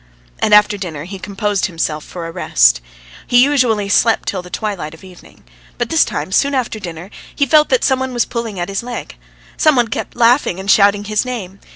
And after dinner he composed himself for a "rest." He usually slept till the twilight of evening. But this time soon after dinner he felt that some one was pulling at his leg. Some one kept laughing and shouting his name.